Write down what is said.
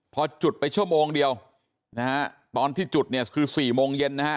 พอจุดไปชั่วโมงเดียวตอนที่จุดคือ๔โมงเย็น